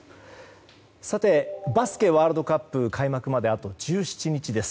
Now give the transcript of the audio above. さて、バスケワールドカップ開幕まであと１７日です。